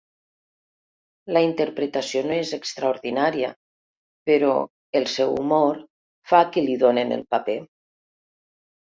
La interpretació no és extraordinària, però el seu humor fa que li donin el paper.